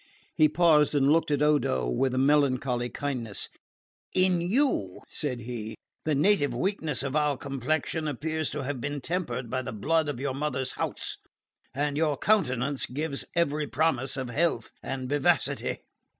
He paused and looked at Odo with a melancholy kindness. "In you," said he, "the native weakness of our complexion appears to have been tempered by the blood of your mother's house, and your countenance gives every promise of health and vivacity."